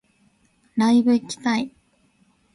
ライブ行きたい